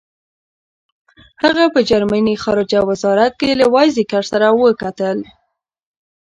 هغه په جرمني خارجه وزارت کې له وایزیکر سره وکتل.